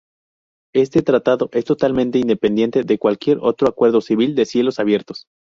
Este tratado es totalmente independiente de cualquier otro acuerdo civil de cielos abiertos.